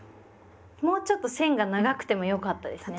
もうちょっと線が長くてもよかったですね。